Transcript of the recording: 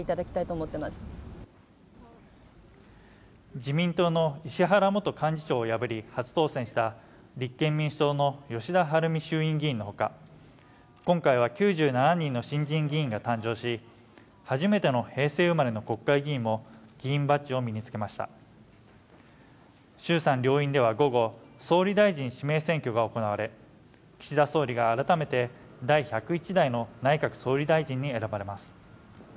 自民党の石原元幹事長を破り初当選した立憲民主党の吉田晴美衆院議員のほか今回は９７人の新人議員が誕生し初めての平成生まれの国会議員も議員バッチを身につけました衆参両院では午後総理大臣指名選挙が行われ岸田総理が改めて第１０１代の内閣総理大臣に選ばれます